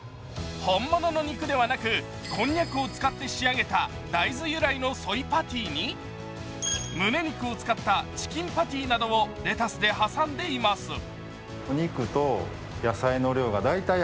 本物の肉ではなくこんにゃくを使って仕上げた大豆由来のソイパティに、むね肉を使ったチキンパティなどをレタスで挟んでいます。